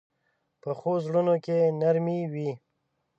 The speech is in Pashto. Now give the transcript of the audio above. پخو زړونو کې نرمي وي